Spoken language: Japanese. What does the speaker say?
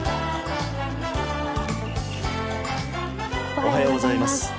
おはようございます。